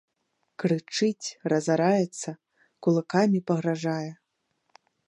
Крычыць, разараецца, кулакамі пагражае.